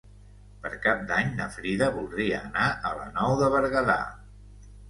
Per Cap d'Any na Frida voldria anar a la Nou de Berguedà.